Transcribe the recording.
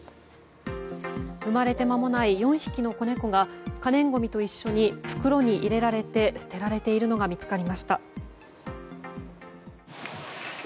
生まれて間もない４匹の子猫が可燃ごみと一緒に袋に入れられて捨てられているのが見つかりました。